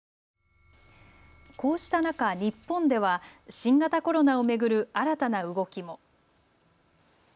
こうした中、日本では新型コロナを巡る新たな動きも。